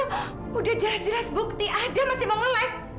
aku udah jelas jelas bukti ada masih mau ngeles